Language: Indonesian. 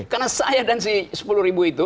karena saya dan si sepuluh itu